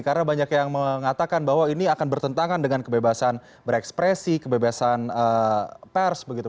karena banyak yang mengatakan bahwa ini akan bertentangan dengan kebebasan berekspresi kebebasan pers begitu